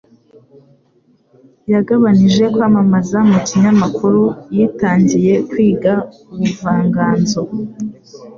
Yagabanije kwamamaza mu kinyamakuru. Yitangiye kwiga ubuvanganzo.